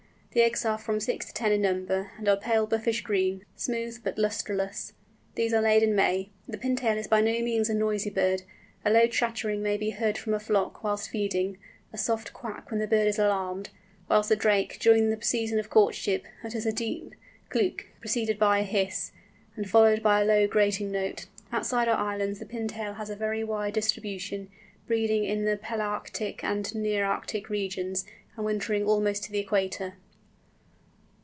The eggs are from six to ten in number, and are pale buffish green, smooth, but lustreless. These are laid in May. The Pintail is by no means a noisy bird; a low chattering may be heard from a flock whilst feeding, a soft quack when the bird is alarmed; whilst the drake, during the season of courtship, utters a deep clük, preceded by a hiss, and followed by a low grating note. Outside our islands the Pintail has a very wide distribution, breeding in the Palæarctic and Nearctic regions, and wintering almost to the Equator.